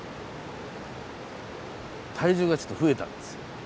体重がちょっと増えたんですよ。